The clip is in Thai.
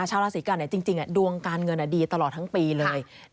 ชาวราศีกันจริงดวงการเงินดีตลอดทั้งปีเลย